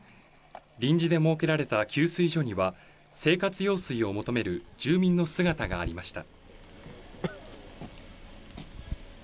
臨時で設けられた給水所には、生活用水を求める住民の姿がありました。